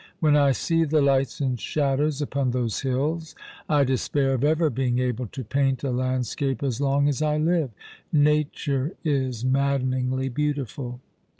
" When I see the lights and shadows upon those hills, I despair of ever beiug able to pjaint a landscape as long as I live. Nature is maddeningly beautiful.''